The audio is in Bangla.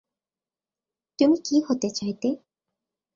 তুমি কী হতে চাইতে?